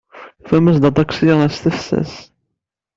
Tufamt-d aṭaksi s tefses.